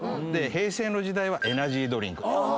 平成の時代はエナジードリンク。